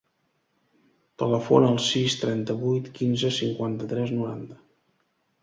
Telefona al sis, trenta-vuit, quinze, cinquanta-tres, noranta.